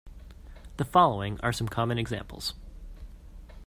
The following are some common examples.